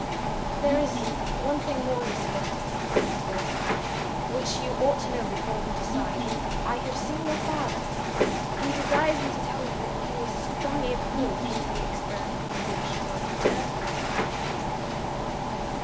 "There is one thing more, Lucilla," he said, "which you ought to know before you decide. I have seen your father. He desires me to tell you that he is strongly opposed to the experiment which you are determined to try."